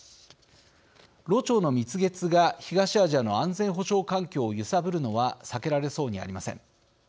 ロ朝の蜜月が東アジアの安全保障環境を揺さぶるのは避けられそうにありません。